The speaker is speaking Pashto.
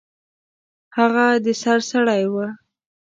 هغه د سر سړی و.